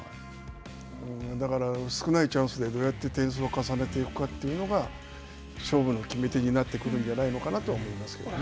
だから、少ないチャンスでどうやって点数を重ねていくかというのが勝負の決め手になってくるんじゃないかなと思いますね。